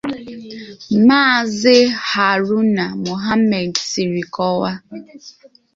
maazị Harụna Mọhammed sìrì kọwaa